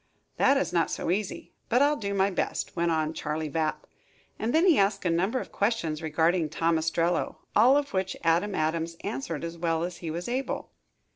"That is not so easy, but I'll do my best," went on Charley Vapp, and then he asked a number of questions regarding Tom Ostrello, all of which Adam Adams answered as well as he was able.